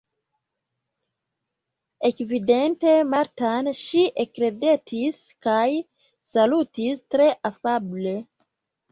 Ekvidinte Martan, ŝi ekridetis kaj salutis tre afable.